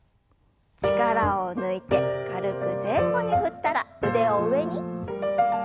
力を抜いて軽く前後に振ったら腕を上に。